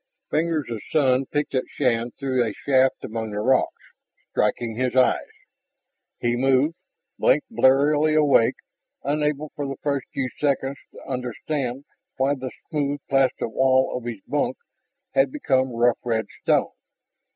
Fingers of sun picked at Shann through a shaft among the rocks, striking his eyes. He moved, blinked blearily awake, unable for the first few seconds to understand why the smooth plasta wall of his bunk had become rough red stone.